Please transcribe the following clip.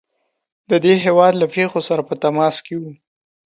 د دې هیواد له پیښو سره په تماس کې وو.